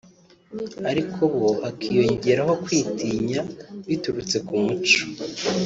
ariko bo hakiyongeraho kwitinya biturutse ku muco